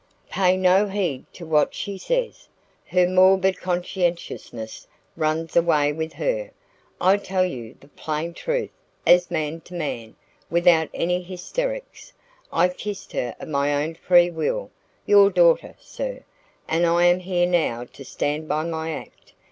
"Pay no heed to what she says. Her morbid conscientiousness runs away with her. I tell you the plain truth, as man to man, without any hysterics I kissed her of my own free will your daughter, sir. And I am here now to stand by my act.